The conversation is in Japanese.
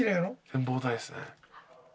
展望台ですね。